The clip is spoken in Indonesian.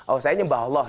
oh saya nyembah allah